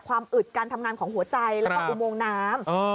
อึดการทำงานของหัวใจแล้วก็อุโมงน้ำ